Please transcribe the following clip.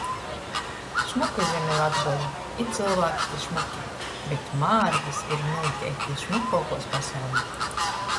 Šmuka zeme Latgola, i cylvāki te šmuki, bet mārgys ir, nūteikti, šmukuokuos pasaulī...